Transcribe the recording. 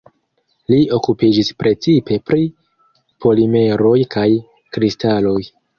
Li okupiĝis precipe pri polimeroj kaj kristaloj.